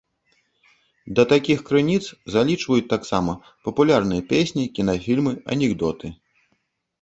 Да такіх крыніц залічваюць таксама папулярныя песні, кінафільмы, анекдоты.